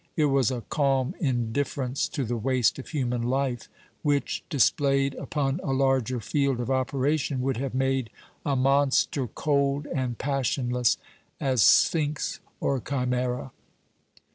It was a calm indifference to the waste of human life, which, displayed upon a larger field of operation, would have made a monster cold and passionless as Sphinx or Chimæra.